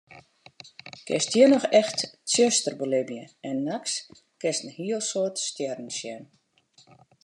Kinst hjir noch echt tsjuster belibje en nachts kinst in heel soad stjerren sjen.